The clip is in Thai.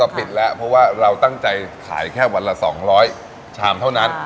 ปิดแล้วเพราะว่าเราตั้งใจขายแค่วันละ๒๐๐ชามเท่านั้น